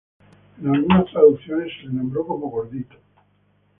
En algunas traducciones se le nombro como "Gordito".